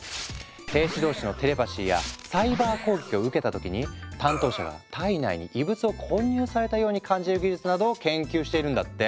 兵士同士のテレパシーやサイバー攻撃を受けた時に担当者が体内に異物を混入されたように感じる技術などを研究しているんだって。